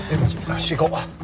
よし行こう！